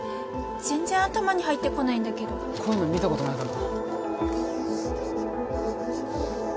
全然頭に入ってこないんだけどこういうの見たことないかな？